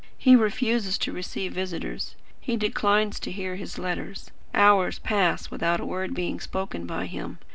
He refuses to receive visitors; he declines to hear his letters. Hours pass without a word being spoken by him.